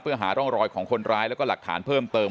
เพื่อหาร่องรอยของคนร้ายแล้วก็หลักฐานเพิ่มเติม